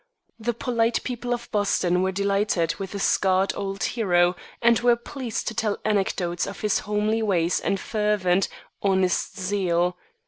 The polite people of Boston were delighted with the scarred old hero, and were pleased to tell anecdotes of his homely ways and fervent, honest zeal.